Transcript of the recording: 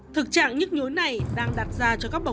thực trạng nhức nhối này đang đặt ra cho các bọn em